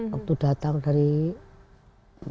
waktu datang dari pesawat